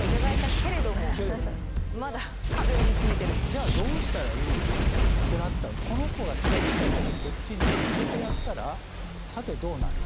じゃあどうしたらいいの？ってなったらこの子が使ってたやつをこっちに載っけてやったらさてどうなる？